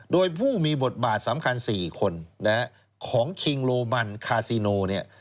โดยผู้มีบทบาทสำคัญ๔คนนะฮะของคิงโรมันคาซิโนเนี่ย